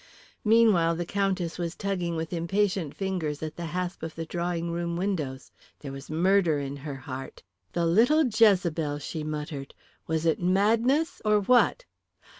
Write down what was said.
Meanwhile the Countess was tugging with impatient fingers at the hasp of the drawing room windows. There was murder in her heart. "The little Jezebel," she muttered. "Was it madness, or what?